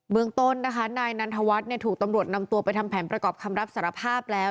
เมืองต้นนะคะนายนันทวัฒน์ถูกตำรวจนำตัวไปทำแผนประกอบคำรับสารภาพแล้ว